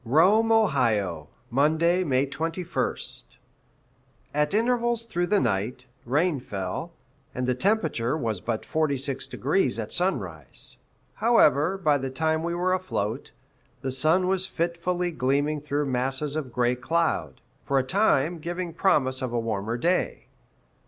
Rome, O., Monday, May 21st. At intervals through the night, rain fell, and the temperature was but 46° at sunrise. However, by the time we were afloat, the sun was fitfully gleaming through masses of gray cloud, for a time giving promise of a warmer day.